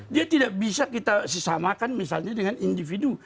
dia tidak bisa kita sesamakan misalnya dengan individu